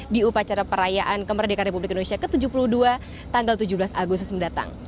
di upacara perayaan kemerdekaan republik indonesia ke tujuh puluh dua tanggal tujuh belas agustus mendatang